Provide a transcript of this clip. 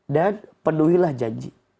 dan penuhilah janji